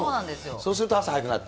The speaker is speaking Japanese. そうすると朝早くなって。